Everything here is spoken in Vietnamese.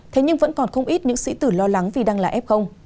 thế nhưng vẫn còn không ít những sĩ tử lo lắng vì đang là f